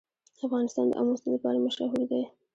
افغانستان د آمو سیند لپاره مشهور دی.